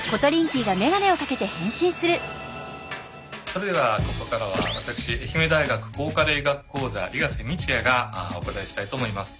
それではここからは私愛媛大学抗加齢医学講座伊賀瀬道也がお答えしたいと思います。